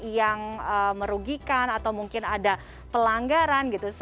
yang merugikan atau mungkin ada pelanggaran gitu